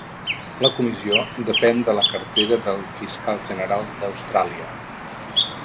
La comissió depèn de la cartera del fiscal general d'Austràlia.